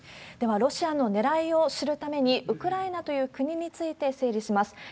ではロシアのねらいを知るために、ウクライナという国について、整理します。